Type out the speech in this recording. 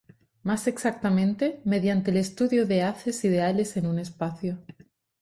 Más exactamente, mediante el estudio de haces ideales en un espacio.